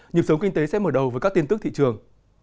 nhịp sống kinh tế sẽ mở đầu với các tin tức thị trường